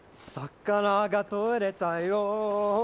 「魚が取れたよ」